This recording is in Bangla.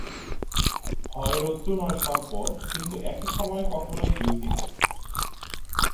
হয় রজ্জু, নয় সর্প, কিন্তু একই সময়ে কখনই দুইটি নয়।